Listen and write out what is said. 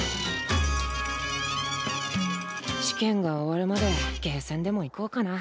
試験が終わるまでゲーセンでも行こうかな。